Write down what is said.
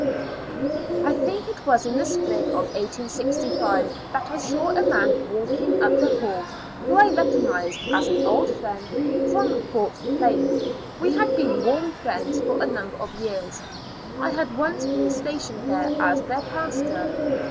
I think it was in the spring of 1865 that I saw a man walking up the hall, who I recoornized as an old friend from Fort Plain; we had been warm friends for a number of years ; I had once been stationed there, as their pastor.